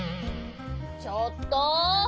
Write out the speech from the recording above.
ちょっと。